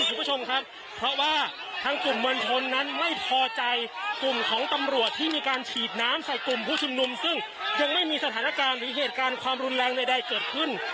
คุณผู้ชมครับเพราะว่าทางกลุ่มมวลชนนั้นไม่พอใจกลุ่มของตำรวจที่มีการฉีดน้ำใส่กลุ่มผู้ชุมนุมซึ่งยังไม่มีสถานการณ์หรือเหตุการณ์ความรุนแรงใดเกิดขึ้น